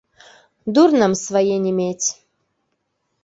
Дур нам свае не мець.